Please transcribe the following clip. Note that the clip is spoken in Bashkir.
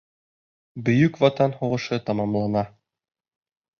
Бөйөк Ватан һуғышы тамамлана.